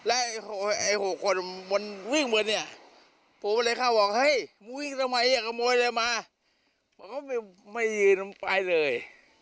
อันนี้เดี๋ยวเค้าไม่ยืนลงต่อไปเลย